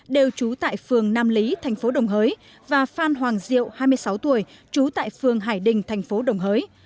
đều trú tại phường nam lý tp đồng hới và phan hoàng diệu hai mươi sáu tuổi trú tại phường hải đình tp đồng hới